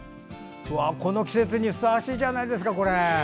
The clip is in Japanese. この季節にふさわしいじゃないですか。